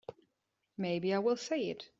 Maybe I will say it.